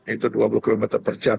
itu dua puluh km per jam